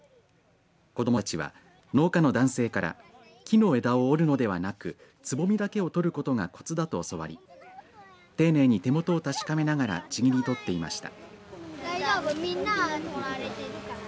子どもたちは農家の男性から木の枝を折るのではなくつぼみだけを取ることがこつだと教わり丁寧に手元を確かめながらちぎり取っていました。